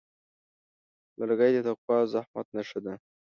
لرګی د تقوا او زحمت نښه ده.